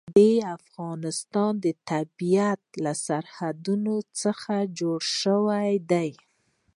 د افغانستان طبیعت له سرحدونه څخه جوړ شوی دی.